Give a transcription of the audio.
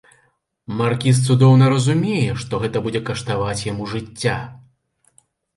Маркіз цудоўна разумее, што гэта будзе каштаваць яму жыцця.